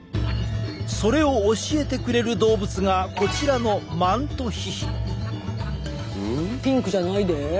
それを教えてくれる動物がこちらのピンクじゃないで。